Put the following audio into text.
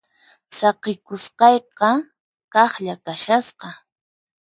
Saqikusqayqa kaqlla kashasqa.